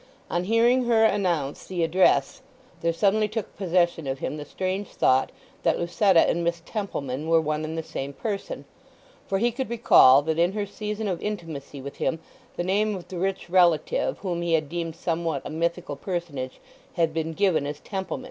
On hearing her announce the address there suddenly took possession of him the strange thought that Lucetta and Miss Templeman were one and the same person, for he could recall that in her season of intimacy with him the name of the rich relative whom he had deemed somewhat a mythical personage had been given as Templeman.